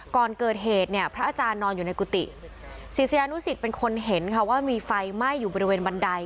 ก่อนเกิดเหตุเนี่ยพระอาจารย์นอนอยู่ในกุฏิศิษยานุสิตเป็นคนเห็นค่ะว่ามีไฟไหม้อยู่บริเวณบันได